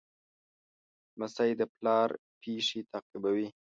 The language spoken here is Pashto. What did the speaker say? لمسی د پلار پېښې تعقیبوي.